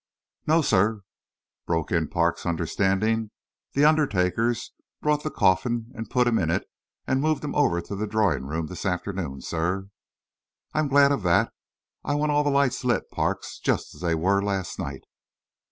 "No, sir," broke in Parks, understanding. "The undertakers brought the coffin and put him in it and moved him over to the drawing room this afternoon, sir." "I'm glad of that. I want all the lights lit, Parks, just as they were last night."